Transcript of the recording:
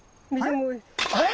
あれ？